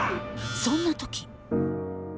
そんな時。